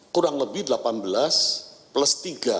kurang lebih delapan belas plus tiga